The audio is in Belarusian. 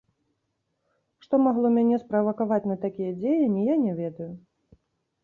Што магло мяне справакаваць на такія дзеянні, я не ведаю.